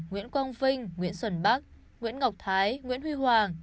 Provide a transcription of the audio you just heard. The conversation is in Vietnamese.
nguyễn quang vinh nguyễn xuân bắc nguyễn ngọc thái nguyễn huy hoàng